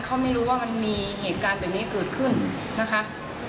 เขาไม่รู้ว่ามันมีเหตุการณ์แบบนี้เกิดขึ้นนะคะ